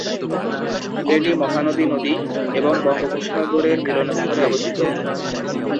এটি মহানদী নদী এবং বঙ্গোপসাগরের মিলনস্থলে অবস্থিত।